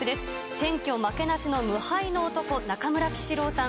選挙負けなしの無敗の男、中村喜四郎さん。